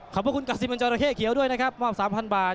ขอบคุณกาซิมันจราเข้เขียวด้วยนะครับมอบ๓๐๐บาท